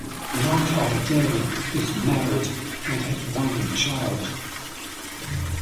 Noghaideli is married and has one child.